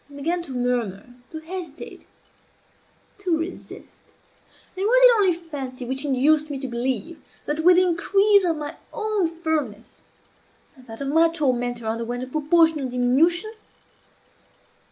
I began to murmur, to hesitate, to resist. And was it only fancy which induced me to believe that, with the increase of my own firmness, that of my tormentor underwent a proportional diminution?